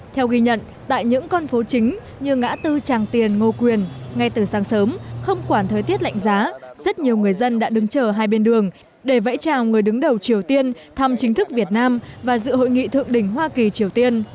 theo ghi nhận tại những con phố chính như ngã tư tràng tiền ngô quyền ngay từ sáng sớm không quản thời tiết lạnh giá rất nhiều người dân đã đứng chờ hai bên đường để vẫy chào người đứng đầu triều tiên thăm chính thức việt nam và dự hội nghị thượng đỉnh hoa kỳ triều tiên